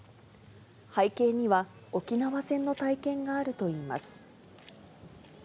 背景には、沖縄戦の体験があるといいます。